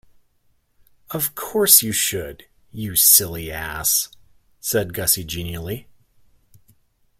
"Of course you should, you silly ass," said Gussie genially.